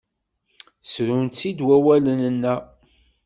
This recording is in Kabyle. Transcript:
Ssrun-tt-id wawalen-a.